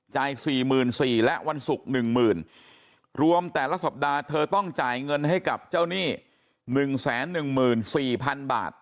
๔๔๐๐และวันศุกร์๑๐๐๐รวมแต่ละสัปดาห์เธอต้องจ่ายเงินให้กับเจ้าหนี้๑๑๔๐๐๐บาท